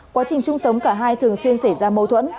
quá trình chung sống cả hai thường xuyên xảy ra mâu thuẫn